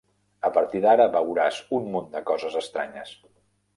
A partir d'ara veuràs un munt de coses estranyes.